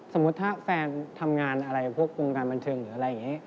สมมุติถ้าแฟนทำงานอะไรพวกวงการบันเทิงหรืออะไรอย่างนี้